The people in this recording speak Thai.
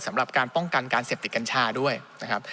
สำหรับการป้องกันการเสพติดกัญชาด้วยนะครับ